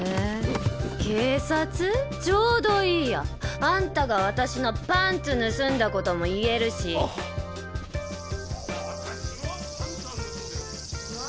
ちょうどいいやあんたが私のパンツ盗んだことも言えるし私はパンツは盗んでない！